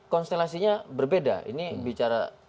konstelasinya berbeda ini bicara